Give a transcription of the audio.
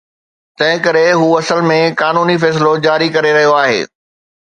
تنهنڪري هو اصل ۾ قانوني فيصلو جاري ڪري رهيو آهي